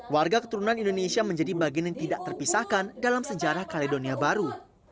warga keturunan indonesia menjadi bagian yang tidak terpisahkan dalam sejarah kaledonia baru